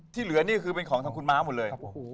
เหลือนี่คือเป็นของทางคุณม้าหมดเลย